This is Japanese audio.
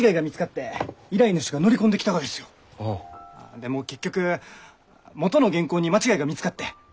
でも結局元の原稿に間違いが見つかって依頼主がやり直し。